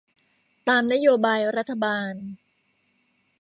ตามนโยบายรัฐบาล